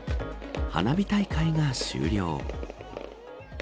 花火大会が終了。